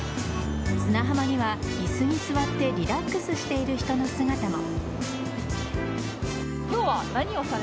砂浜には椅子に座ってリラックスしている人の姿も。